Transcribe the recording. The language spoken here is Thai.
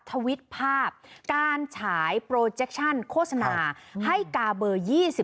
ทวิตภาพการฉายโปรเจคชั่นโฆษณาให้กาเบอร์๒๔